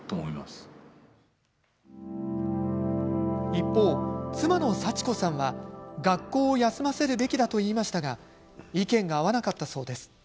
一方、妻の幸子さんは、学校を休ませるべきだと言いましたが意見が合わなかったそうです。